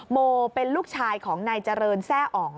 โมเป็นลูกชายของนายเจริญแซ่อง